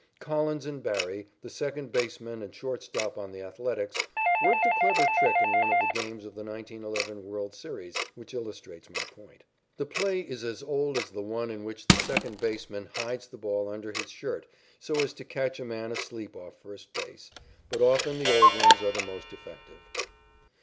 Collins and Barry, the second baseman and shortstop on the Athletics, worked a clever trick in one of the games of the 1911 world's series which illustrates my point. The play is as old as the one in which the second baseman hides the ball under his shirt so as to catch a man asleep off first base, but often the old ones are the more effective.